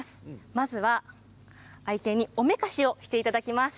まずは愛犬におめかしをしていただきます。